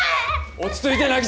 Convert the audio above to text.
落ち着いて渚！